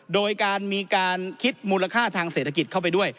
โดยการมีการคิดมูลค่าทางเศรษฐกิจเข้าไปด้วย